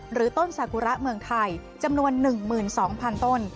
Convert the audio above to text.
หรือต้นสากุระเมืองไทยจำนวนหนึ่งหมื่นสองพันต้น